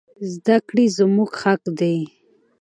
زدکړي زموږ حق دي